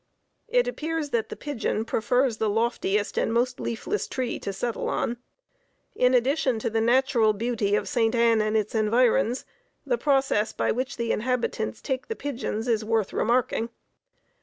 It appears that the pigeon prefers the loftiest and most leafless tree to settle on. In addition to the natural beauty of St. Ann and its environs, the process by which the inhabitants take the pigeons is worth remarking.